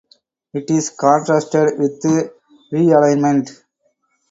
It is contrasted with realignment.